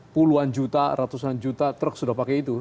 puluhan juta ratusan juta truk sudah pakai itu